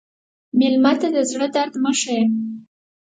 مېلمه ته د زړه درد مه ښیې.